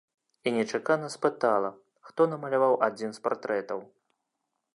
І нечакана спытала, хто намаляваў адзін з партрэтаў.